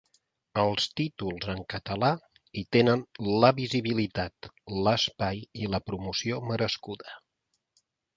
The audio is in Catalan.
Els títols en català hi tenen la visibilitat, l’espai i la promoció merescuda.